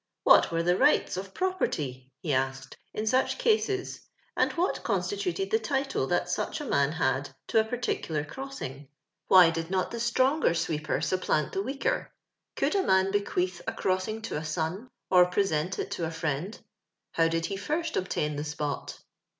" What wero the rights of property," he asked, " in such cases, and what constituted the title that such a man had to a particular cros^iing? "Why did not the stronger f;wecper supjdaut the weaker? Could a luan bequeath a crossing to a son, or present it to a friend ? llow did ho first obtain the spot?